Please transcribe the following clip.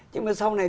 nhưng mà sau này